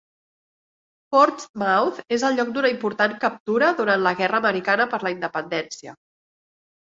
Portsmouth és el lloc d'una important captura durant la guerra americana per la independència.